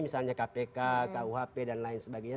misalnya kpk kuhp dan lain sebagainya